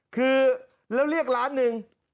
คือแล้วเรียกล้านหนึ่ง